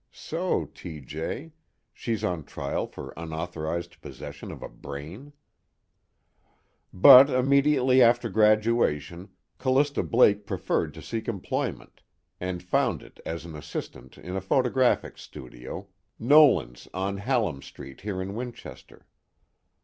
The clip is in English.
(So, T. J.? She's on trial for unauthorized possession of a brain?) "But immediately after graduation, Callista Blake preferred to seek employment, and found it as an assistant in a photographic studio Nolan's, on Hallam Street here in Winchester.